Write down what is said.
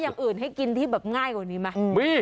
แล้วก็อย่างอื่นให้กินที่ง่ายกว่านี้มา